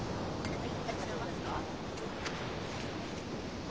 はい。